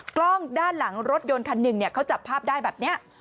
กล้องด้านหลังรถยนต์คันหนึ่งเขาจับภาพได้แบบนี้